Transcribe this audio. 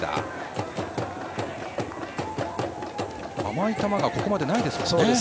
甘い球がここまでないですね。